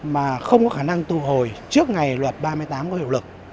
mà không có khả năng thu hồi trước ngày luật ba mươi tám có hiệu lực